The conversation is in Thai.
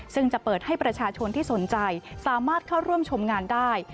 ซึ่งจะเปิดให้ประชาชนที่สนใจสามารถเข้าร่วมชมงานได้